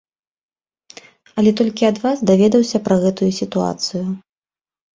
Але толькі ад вас даведаўся пра гэтую сітуацыю.